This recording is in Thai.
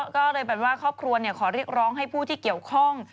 ก็เลยเป็นว่าครอบครัวขอเรียกร้องให้ผู้ที่เกี่ยวข้อง